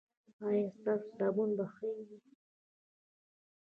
ایا ستاسو صابون به ښه وي؟